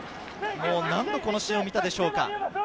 何度このシーンを見たでしょうか。